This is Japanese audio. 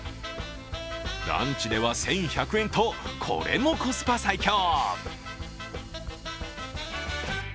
ランチでは１１００円と、これもコスパ最強。